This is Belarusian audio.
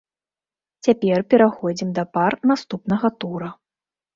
Цяпер пераходзім да пар наступнага тура.